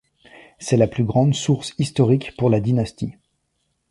C'est la plus grande source historique pour la dynastie.